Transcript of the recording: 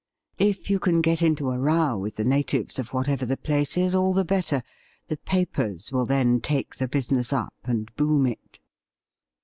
If you can get into a row with the natives of whatever the place is, all the better. The papers will then take the business up and boom it.'